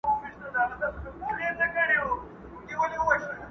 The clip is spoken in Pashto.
د عُمر زکندن ته شپې یوه، یوه لېږمه.!